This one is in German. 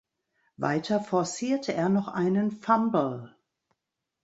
Weiter forcierte er noch einen Fumble.